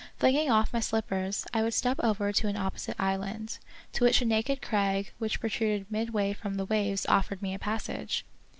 Flinging off my slippers, I would step over to an opposite island, to which a naked crag which protruded midway from the waves offered me a passage.